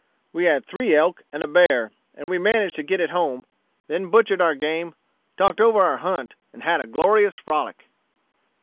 We had three elk, and a bear; and we managed to git it home, then butchered our game, talked over our hunt, and had a glorious frolic."